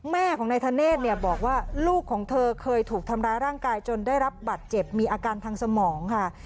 แม่ของนายธเนธเนี่ยบอกว่าลูกของเธอเคยถูกทำร้ายร่างกายจนได้รับบัตรเจ็บมีอาการทางสมองค่ะ